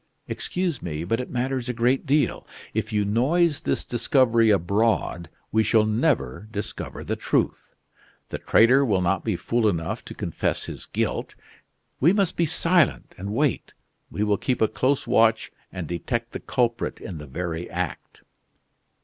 "Excuse me, but it matters a great deal. If you noise this discovery abroad, we shall never discover the truth. The traitor will not be fool enough to confess his guilt. We must be silent and wait. We will keep a close watch and detect the culprit in the very act."